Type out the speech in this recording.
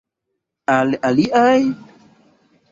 Al aliaj?